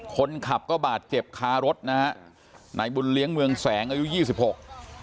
คนขับก็บาดเจ็บคารถนะฮะนายบุญเลี้ยงเมืองแสงอายุยี่สิบหก